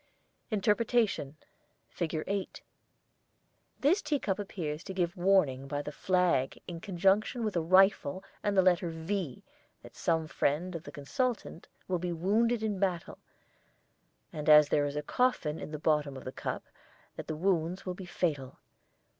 INTERPRETATION FIG.8 This tea cup appears to give warning by the flag in conjunction with a rifle and the letter 'V' that some friend of the consultant will be wounded in battle, and as there is a coffin in the bottom of the cup that the wounds will be fatal.